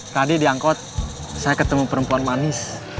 tadi diangkut saya ketemu perempuan manis